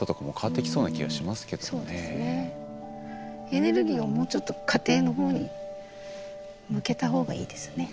エネルギーをもうちょっと家庭のほうに向けたほうがいいですね。